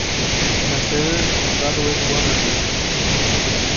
La sede del condado es Waverly.